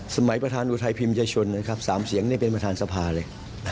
สมัยประธานปุทธัยภิมชนสามเสียงได้เป็นประธานสภาเลย